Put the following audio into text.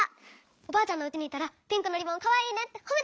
おばあちゃんのうちにいったらピンクのリボンかわいいねってほめてくれたの。